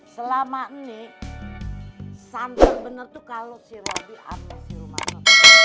selama ini santan bener tuh kalo si robi ama si rumana